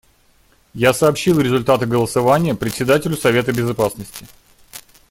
Я сообщил результаты голосования Председателю Совета Безопасности.